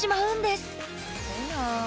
すごいなあ。